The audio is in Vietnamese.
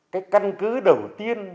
cái căn cứ đầu tiên